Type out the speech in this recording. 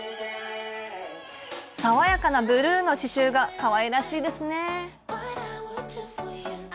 さわやかなブルーの刺しゅうがかわいらしいですね。